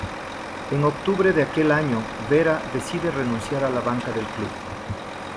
En octubre de aquel año Vera decide renunciar a la banca del club.